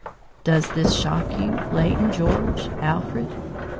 Does this shock you, Leighton, George, Alfred?